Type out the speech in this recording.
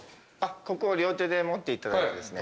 ここを両手で持っていただいてですね